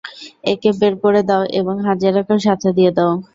একে বের করে দাও এবং হাজেরাকেও সাথে দিয়ে দাও।